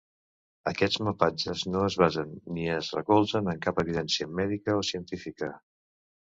Aquests mapatges no es basen ni es recolzen en cap evidència mèdica o científica.